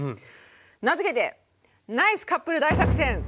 名付けて「ナイスカップル大作戦！」。